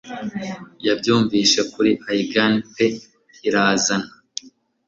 Yabyumvise kuri Aegean pe irazana